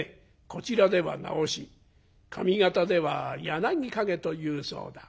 こちらでは『なおし』上方では『柳陰』と言うそうだ」。